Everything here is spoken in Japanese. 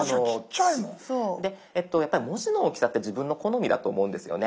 やっぱり文字の大きさって自分の好みだと思うんですよね。